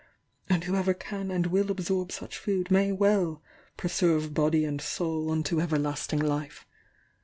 and whoever can and will absorb such food may well 'preserve body and soul unto everlasting life.'